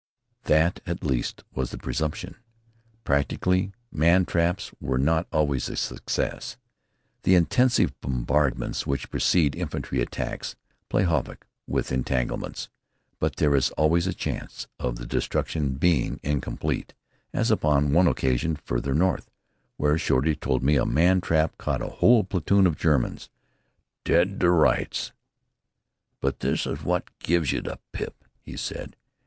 That, at least, was the presumption. Practically, man traps were not always a success. The intensive bombardments which precede infantry attacks play havoc with entanglements, but there is always a chance of the destruction being incomplete, as upon one occasion farther north, where, Shorty told me, a man trap caught a whole platoon of Germans "dead to rights." "But this is wot gives you the pip," he said.